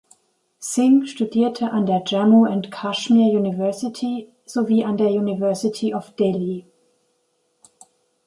Singh studierte an der Jammu and Kashmir University sowie an der University of Delhi.